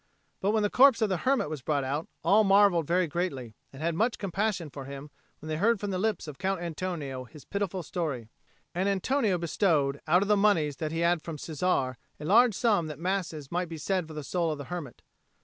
But when the corpse of the hermit was brought out, all marvelled very greatly, and had much compassion for him when they heard from the lips of Count Antonio his pitiful story; and Antonio bestowed out of the moneys that he had from Cesare a large sum that masses might be said for the soul of the hermit.